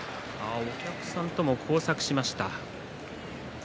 お客さんとも交錯しました。